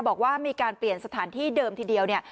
บอกว่ามีการเปลี่ยนสถานที่เดิมทีเดียวเนี่ย